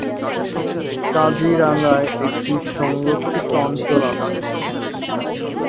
কাজিরাঙায় একটি সংরক্ষিত অঞ্চল আছে।